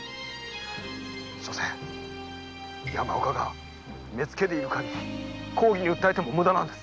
しょせん山岡が目付でいる限り公儀に訴えても無駄なんです。